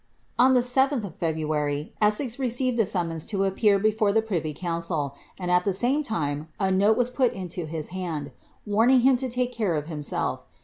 On the 7th of February, Essex received a summons to appear before the privy council, and, at the same time, a note was put into his hand, warning him to take care of himself.